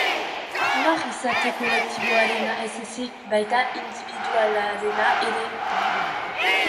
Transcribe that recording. Nor izate kolektiboarena ez ezik, baita indibidualarena ere.